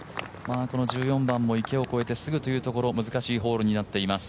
この１４番も池を越えてすぐというところ、難しいホールになっています。